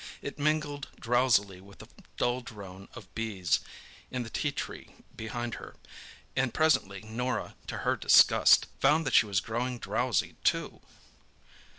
It mingled drowsily with the dull drone of bees in the ti tree behind her, and presently Norah, to her disgust, found that she was growing drowsy too.